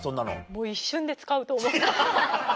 もう一瞬で使うと思う。